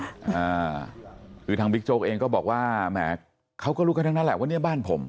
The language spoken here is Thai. อ่าคือทางบิ๊กโจ๊กเองก็บอกว่าแหมเขาก็รู้กันทั้งนั้นแหละว่าเนี้ยบ้านผม